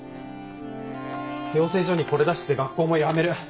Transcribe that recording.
養成所にこれ出して学校もやめる。